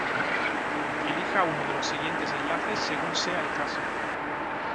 Elija uno de los siguientes enlaces según sea el caso: